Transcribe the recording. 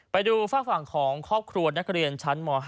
ไปดูฝากฝั่งของครอบครัวนักเรียนชั้นม๕